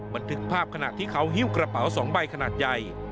บันทึกภาพขณะที่เขาหิ้วกระเป๋า๒ใบขนาดใหญ่